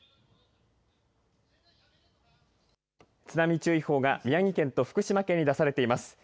津波注意報が宮城県と福島県に出されています。